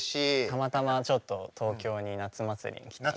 たまたまちょっと東京に夏祭りに来たので。